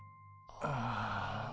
ああ。